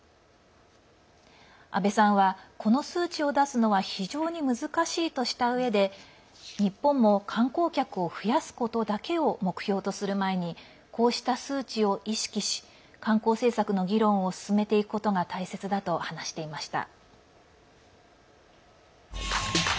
阿部さんは、この数値を出すのは非常に難しいとしたうえで日本も観光客を増やすことだけを目標とする前にこうした数値を意識し観光政策の議論を進めていくことが大切だと話していました。